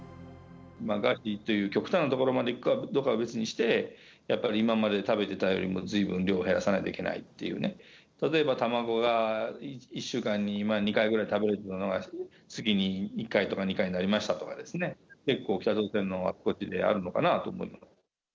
餓死という、極端なところまでいくかどうかは別にして、やっぱり今まで食べてたよりも、ずいぶん量を減らさないといけないっていうね、例えば卵が、１週間に２回ぐらい食べれてたのが、月に１回とか２回になりましたとか、結構、北朝鮮のあちこちであるのかなと思います。